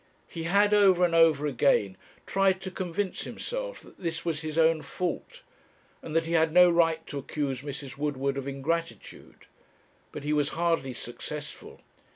He had over and over again tried to convince himself that this was his own fault, and that he had no right to accuse Mrs. Woodward of ingratitude. But he was hardly successful.